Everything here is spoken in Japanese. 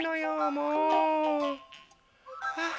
もう！はあ。